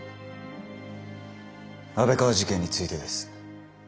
安倍川事件についてです。